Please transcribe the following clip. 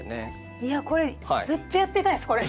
いやこれずっとやってたいですこれ！